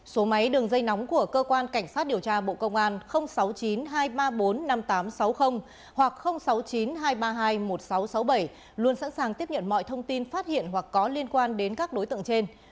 số máy đường dây nóng của cơ quan cảnh sát điều tra bộ công an sáu mươi chín hai trăm ba mươi bốn năm nghìn tám trăm sáu mươi hoặc sáu mươi chín hai trăm ba mươi hai một nghìn sáu trăm sáu mươi bảy luôn sẵn sàng tiếp nhận mọi thông tin phát hiện hoặc có liên quan đến các đối tượng trên